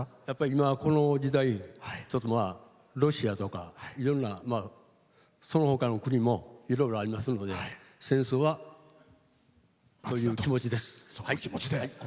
今、この時代ちょっとロシアとかいろんな、そのほかの国もいろいろありますので戦争はという気持ちです。